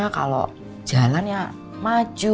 kalau jalannya maju